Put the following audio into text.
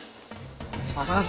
お願いします。